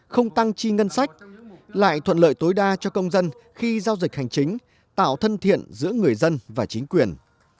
không tăng chi ngân sách lại thuận lợi tối đa cho công dân khi giao dịch hành chính tạo thân thiện giữa người dân và chính quyền